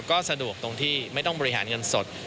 ก็สะดวกตรงที่ไม่ต้องบริหารเงินสด